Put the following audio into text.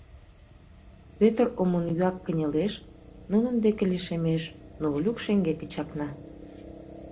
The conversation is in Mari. Пӧтыр омыюа кынелеш, нунын деке лишемеш, но Олюк шеҥгеке чакна.